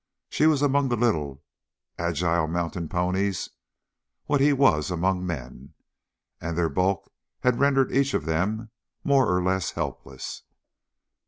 She was among the little, agile mountain ponies what he was among men, and their bulk had rendered each of them more or less helpless.